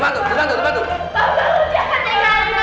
banduri banduri banduri